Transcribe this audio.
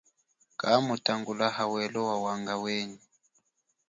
Kamutangula hawelo wawanga wenyi.